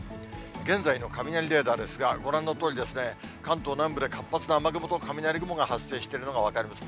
現在の雷レーダーですが、ご覧のとおりですね、関東南部で活発な雨雲と雷雲が発生してるのが分かります。